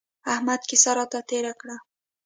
احمد کيسه راته تېره کړه.